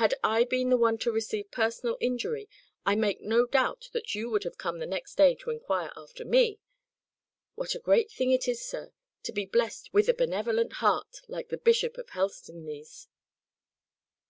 Had I been the one to receive personal injury, I make no doubt that you would have come the next day to inquire after me.' What a great thing it is, to be blessed with a benevolent heart, like the Bishop of Helstonleigh's!"